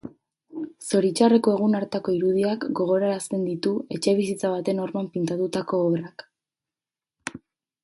Zoritxarreko egun hartako irudiak gogorarazten ditu etxebizitza baten horman pintatutako obrak.